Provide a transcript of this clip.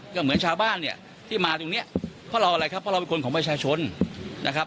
ก็เหมือนชาวบ้านเนี่ยที่มาตรงเนี้ยเพราะเราอะไรครับเพราะเราเป็นคนของประชาชนนะครับ